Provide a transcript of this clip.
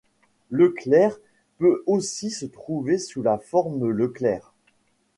Leclerc peut aussi se trouver sous la forme Le Clerc.